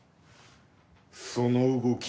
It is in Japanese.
その動き